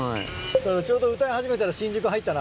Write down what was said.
ちょうど歌い始めたら新宿入ったなと思って。